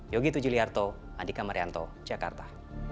yogi tujuliarto andika marianto jakarta